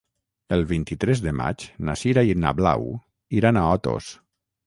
El vint-i-tres de maig na Sira i na Blau iran a Otos.